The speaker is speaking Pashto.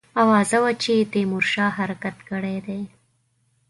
آوازه وه چې تیمورشاه حرکت کړی دی.